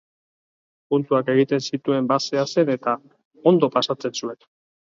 Puntuak egiten zituen basea zen eta ondo pasatzen zuen.